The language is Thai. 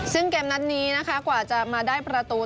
ซึ่งเกมนัดนี้นะคะกว่าจะมาได้ประตู